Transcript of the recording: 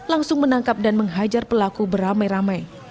langsung menangkap dan menghajar pelaku beramai ramai